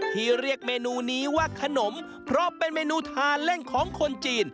ที่เรียกเมนูนี้ว่าขนมเพราะเป็นเมนูทานเล่นของคนจีน